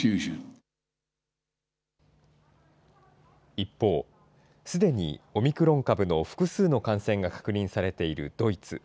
一方、すでにオミクロン株の複数の感染が確認されているドイツ。